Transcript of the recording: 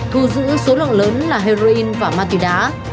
thu giữ số lượng lớn là heroin và ma túy đá